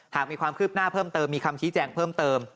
หากมีความคืบหน้าเพิ่มเติมมีคำชี้แจงเพิ่มเติม